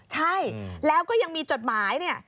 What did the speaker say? ใช่แล้วก็ยังมีจดหมายเนี่ย